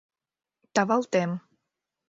тавалтем».